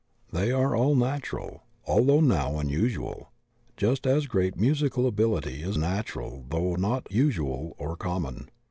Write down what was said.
They are all natural, although now unusual, just as great musical ability is natural though not usual or conunon.